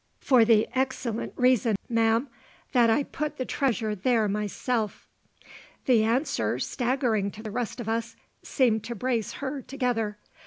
"For the excellent reason, ma'am, that I put the treasure there myself." The answer, staggering to the rest of us, seemed to brace her together.